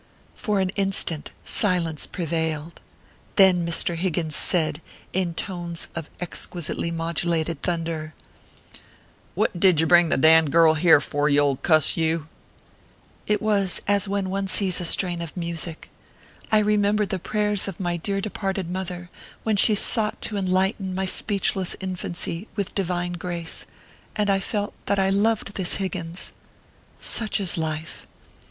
For an instant silence prevailed. Then Mr. Higgins said, in tones of exquisitely modulated thunder :" What did you bring the d d girl here for, you old cuss you ?" It was as when one sees a strain of music. I re membered the prayers of my dear departed mother when she sought to enlighten my speechless infancy with divine grace, and I felt that I loved this Higgins. 68 ORPHEUS C. KERR PAPERS. Such is life.